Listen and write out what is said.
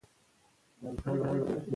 د ژوند هره کړنه د راتلونکي بریا سبب ګرځي.